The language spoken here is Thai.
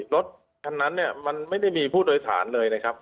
รถคันนั้นเนี่ยมันไม่ได้มีผู้โดยสารเลยนะครับ